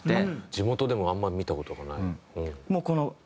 地元でもあんま見た事がない。